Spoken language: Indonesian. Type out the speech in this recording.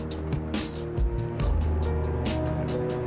kok kerja sambil ngelamun